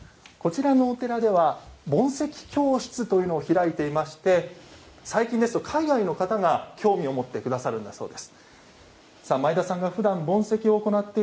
このお寺では盆石教室というのを開いていまして最近ですと海外の方が興味を持ってくださるんだそうです。